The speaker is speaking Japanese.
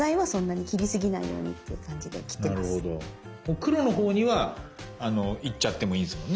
黒のほうには行っちゃってもいいんですもんね。